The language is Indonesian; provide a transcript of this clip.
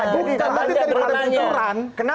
bukan berita beritanya